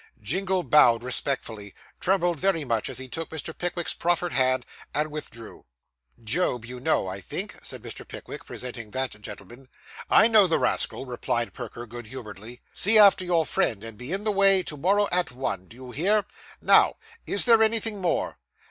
Jingle bowed respectfully, trembled very much as he took Mr. Pickwick's proffered hand, and withdrew. 'Job you know, I think?' said Mr. Pickwick, presenting that gentleman. 'I know the rascal,' replied Perker good humouredly. 'See after your friend, and be in the way to morrow at one. Do you hear? Now, is there anything more?